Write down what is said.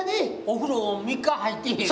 お風呂３日入ってへん。